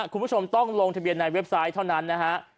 คุณผู้ชมต้องลงทะเบียนในเว็บไซต์เท่านั้นนะฮะ